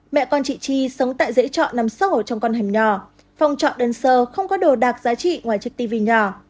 mẹ con chị chi sống tại dễ trọ nằm sốc ở trong con hẻm nhỏ phòng trọ đơn sơ không có đồ đạc giá trị ngoài chiếc tv nhỏ